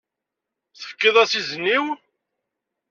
Tefkiḍ-as izen-iw?